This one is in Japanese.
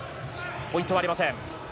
ポイントはありません。